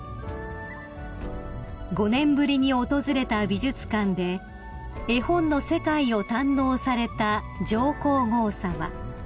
［５年ぶりに訪れた美術館で絵本の世界を堪能された上皇后さま］